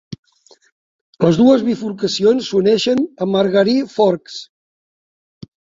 Les dues bifurcacions s'uneixen a Margaree Forks.